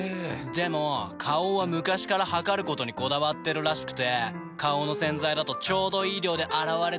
でも花王は昔から量ることにこだわってるらしくて花王の洗剤だとちょうどいい量で洗われてるなって。